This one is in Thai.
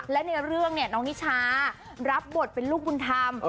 และในเรื่องเนี่ยน้องนิชารับบทเป็นลูกบุญธรรม